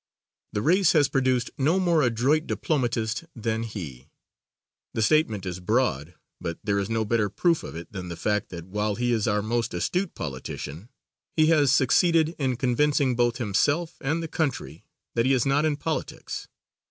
The race has produced no more adroit diplomatist than he. The statement is broad but there is no better proof of it than the fact that while he is our most astute politician, he has succeeded in convincing both himself and the country that he is not in politics.